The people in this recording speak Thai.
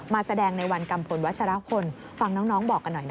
แสดงในวันกัมพลวัชรพลฟังน้องบอกกันหน่อย